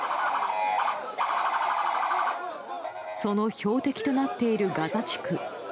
その標的となっているガザ地区。